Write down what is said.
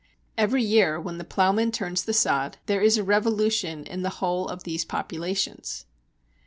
Every year when the ploughman turns the sod there is a revolution in the whole of these populations.